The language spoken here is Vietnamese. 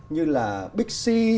như là bixi